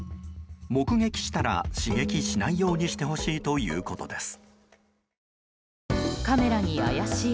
目撃したら刺激しないようにしてほしいということです。